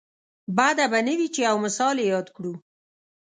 بده به نه وي چې یو مثال یې یاد کړو.